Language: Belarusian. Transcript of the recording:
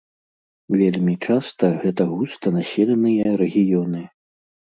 Вельмі часта гэта густанаселеныя рэгіёны.